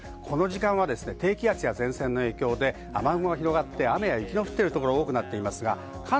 低気圧や前線の影響で雨雲が広がって雨や雪の降ってるところが多くなっています。